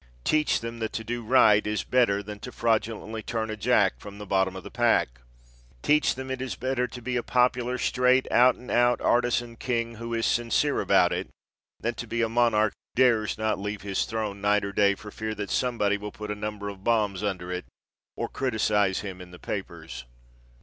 Teach them that to do right is better than to fraudulently turn a jack from the bottom of the pack. Teach them it is better to be a popular straight out and out artisan king who is sincere about it than to be a monarch who dares not leave his throne night or day for fear that somebody will put a number of bombs under it or criticise him in the papers.